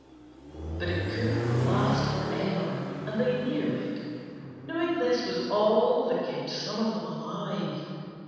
But it couldn't last forever, and they knew it. Knowing this was all that kept some of them alive.